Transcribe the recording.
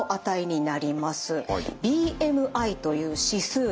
ＢＭＩという指数です。